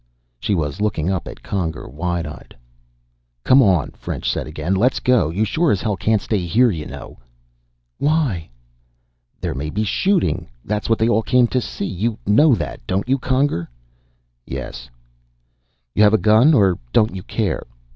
She was looking up at Conger, wide eyed. "Come on," French said again. "Let's go. You sure as hell can't stay here, you know." "Why?" "There may be shooting. That's what they all came to see. You know that don't you, Conger?" "Yes." "You have a gun? Or don't you care?"